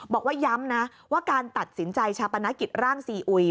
บอกว่าย้ำนะว่าการตัดสินใจชาปนกิจร่างซีอุย